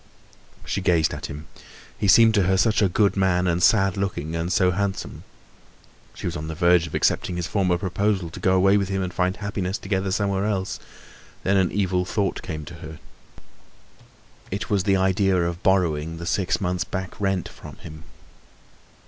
She gazed at him. He seemed to her such a good man, and sad looking, and so handsome. She was on the verge of accepting his former proposal, to go away with him and find happiness together somewhere else. Then an evil thought came to her. It was the idea of borrowing the six months' back rent from him.